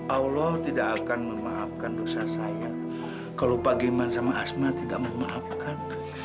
allah tidak akan memaafkan dosa saya kalau pak giman sama asma tidak memaafkan